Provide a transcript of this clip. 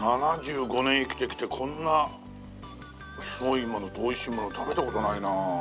７５年生きてきてこんなすごいものとおいしいもの食べた事ないな。